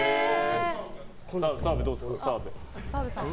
澤部、どうですか？